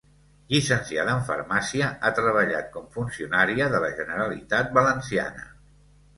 Llicenciada en farmàcia, ha treballat com funcionària de la Generalitat Valenciana.